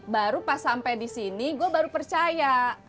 baru pas sampai di sini gue baru percaya